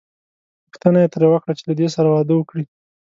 غوښتنه یې ترې وکړه چې له دې سره واده وکړي.